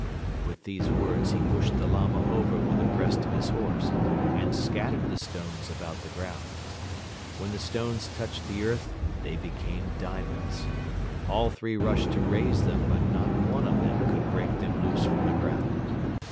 "With these words he pushed the Lama over with the breast of his horse and scattered the stones about the ground. When the stones touched the earth, they became diamonds. All three rushed to raise them but not one of them could break them loose from the ground.